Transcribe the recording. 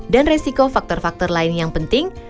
dan resiko faktor faktor lain yang penting